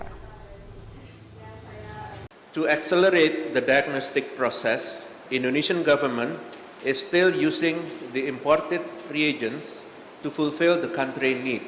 untuk mempercepat proses diagnosis pemerintah indonesia masih menggunakan regen impor untuk memenuhi kebutuhan negara